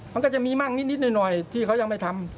มันก็จะมีมากนิดหน่อยที่เขายังไม่ทำ